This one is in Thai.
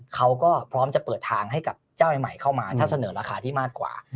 เขาก็พร้อมจะเปิดทางให้กับเจ้าใหม่เข้ามาถ้าเสนอราคาที่มากกว่า